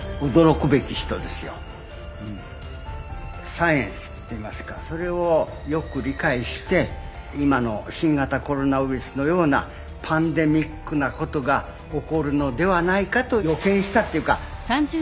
サイエンスっていいますかそれをよく理解して今の新型コロナウイルスのようなパンデミックなことが起こるのではないかと予見したというか。